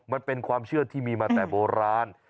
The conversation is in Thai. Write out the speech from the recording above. มันเป็นความเชื่อที่มีมาแต่โบราณ